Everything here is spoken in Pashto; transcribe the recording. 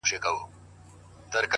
سپين گل د بادام مي د زړه ور مـات كړ!